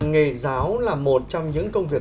nghề giáo là một trong những công việc